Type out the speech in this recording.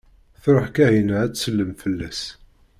Truḥ Kahina ad tsellem fell-as.